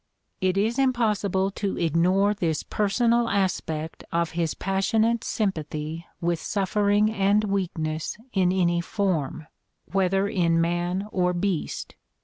It is impossible to ignore this personal aspect of his passionate sympathy with suffer ing and weakness in any form, whether in man or beast.